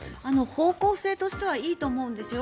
方向性としてはいいと思うんですよ。